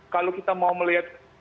kalau kita mau melihat